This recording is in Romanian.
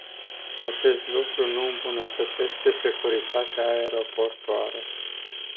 Acest lucru nu îmbunătățește securitatea aeroportuară.